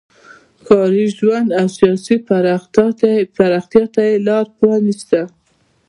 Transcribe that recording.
ښاري ژوند او سیاسي پراختیا ته یې لار پرانیسته.